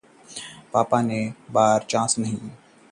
पापा के लिए सोनाक्षी ने मांगे वोट, लोगों ने कहा - इस बार चांस नहीं